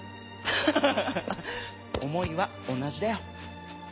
ハハハ思いは同じだよ。